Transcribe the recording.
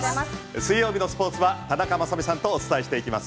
水曜日のスポーツは田中雅美さんとお伝えしていきます。